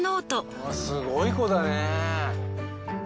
あっすごい子だね。